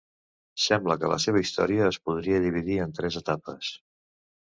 Sembla que la seva història es podria dividir en tres etapes.